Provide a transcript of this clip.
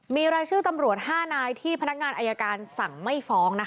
มีรายชื่อตำรวจ๕นายที่พนักงานอายการสั่งไม่ฟ้อง